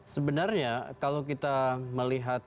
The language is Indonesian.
sebenarnya kalau kita melihat